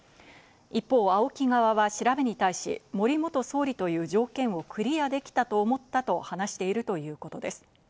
一方、ＡＯＫＩ側は調べに対し、森元総理という条件をクリアできたと思ったと話しているということです。